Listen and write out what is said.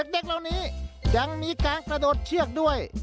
เด็กเหล่านี้ยังมีการกระโดดเชือกด้วย